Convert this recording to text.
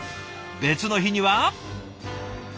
別の日には。